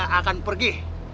gue kagak akan pergi